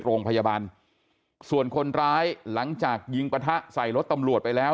โรงพยาบาลส่วนคนร้ายหลังจากยิงปะทะใส่รถตำรวจไปแล้ว